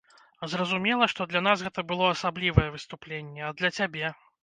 Зразумела, што для нас гэта было асаблівае выступленне, а для цябе?